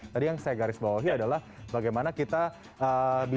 tadi yang saya garis bawahi adalah bagaimana kita bisa memiliki makanan yang bergizi